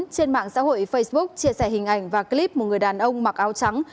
trên mạng xã hội facebook chia sẻ hình ảnh và clip một người đàn ông mặc áo trắng